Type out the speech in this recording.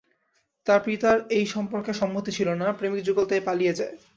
তাঁর পিতার এই সম্পর্কে সম্মতি ছিল না, প্রেমিকযুগল তাই পালিয়ে যায়।